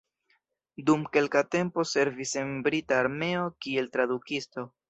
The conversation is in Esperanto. Dum kelka tempo servis en brita armeo kiel tradukisto.